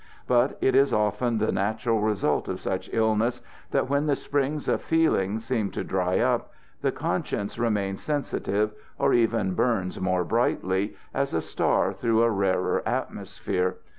But it is often the natural result of such illness that while the springs of feeling seem to dry up, the conscience remains sensitive, or even burns more brightly, as a star through a rarer atmosphere.